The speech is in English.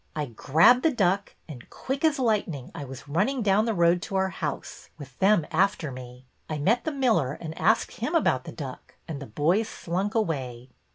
I grabbed the duck and, quick as lightning, I was running down the road to our house, with them after me. I met the miller and asked him about the duck, and the boys slunk away.